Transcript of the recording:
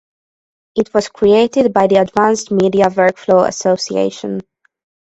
It was created by the Advanced Media Workflow Association.